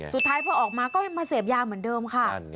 สุดท้ายพอออกมาก็มาเสพยาเหมือนเดิมค่ะ